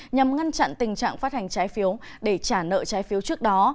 nhằm ngăn chặn tình trạng phát hành trái phiếu để trả nợ trái phiếu trước đó